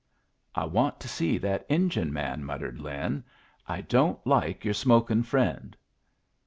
"I want to see that engine man," muttered Lin. "I don't like your smokin' friend."